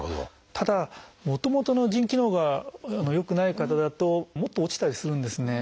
ただもともとの腎機能が良くない方だともっと落ちたりするんですね。